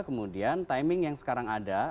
kemudian timing yang sekarang ada